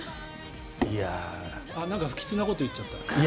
なんか不吉なこと言っちゃった？